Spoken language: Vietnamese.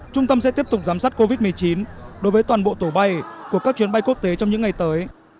trung tâm sẽ tiếp tục giám sát covid một mươi chín đối với toàn bộ tổ bay của các chuyến bay quốc tế trong những ngày tới